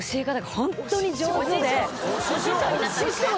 ホントに上手で。